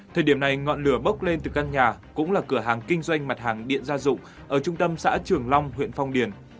thời điểm này ngọn lửa bốc lên từ căn nhà cũng là cửa hàng kinh doanh mặt hàng điện gia dụng ở trung tâm xã trường long huyện phong điền